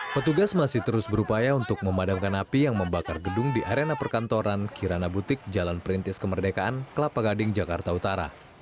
petugas masih terus berupaya untuk memadamkan api yang membakar gedung di arena perkantoran kirana butik jalan perintis kemerdekaan kelapa gading jakarta utara